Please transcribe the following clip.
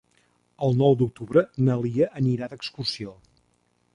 El nou d'octubre na Lia anirà d'excursió.